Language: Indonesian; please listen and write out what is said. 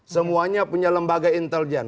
semuanya punya lembaga intelijen